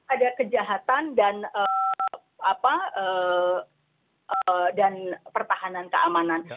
ada kejahatan dan pertahanan keamanan